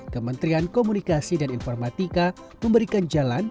kementerian komunikasi dan informatika memberikan jalan